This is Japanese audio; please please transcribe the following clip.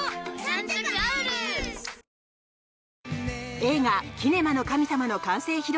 映画「キネマの神様」の完成披露